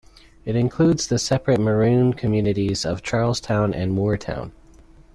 It includes the separate Maroon communities of Charles Town and Moore Town.